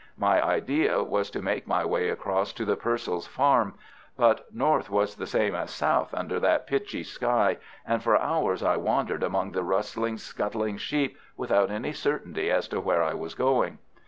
My idea was to make my way across to the Purcells' farm, but north was the same as south under that pitchy sky, and for hours I wandered among the rustling, scuttling sheep without any certainty as to where I was going.